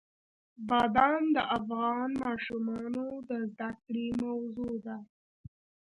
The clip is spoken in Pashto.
بادام د افغان ماشومانو د زده کړې موضوع ده.